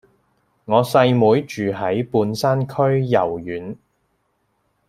我細妹住喺半山區豫苑